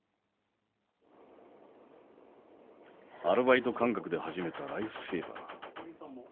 アルバイト感覚で始めたライフセーバー。